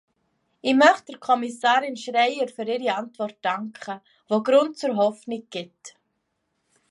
Ich möchte Kommissarin Schreyer für ihre Antwort danken, die Grund zur Hoffnung gibt.